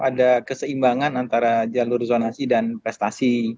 ada keseimbangan antara jalur zonasi dan prestasi